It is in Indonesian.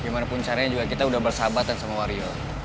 gimanapun caranya juga kita udah bersahabatan sama wario